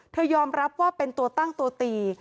ยอมรับว่าเป็นตัวตั้งตัวตี